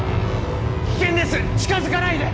危険です近づかないで！